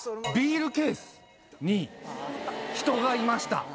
ビールケースに人がいました！